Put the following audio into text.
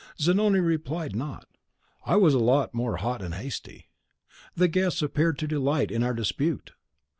Zanoni replied not; I was more hot and hasty. The guests appeared to delight in our dispute.